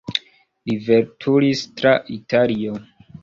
Li veturis tra Italio.